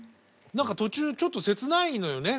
何か途中ちょっと切ないのよね